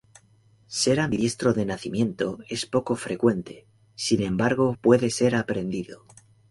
Ser ambidiestro de nacimiento es poco frecuente, sin embargo puede ser aprendido.